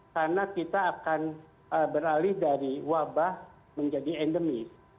karena kita akan beralih dari wabah menjadi endemis